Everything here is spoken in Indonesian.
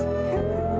aku terlalu berharga